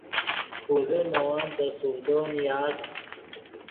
پوزے نے ون دے سوڤدو نیاست